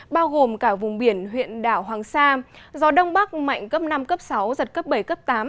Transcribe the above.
bao gồm cả vùng biển huyện đảo hoàng sa gió đông bắc mạnh cấp năm cấp sáu giật cấp bảy cấp tám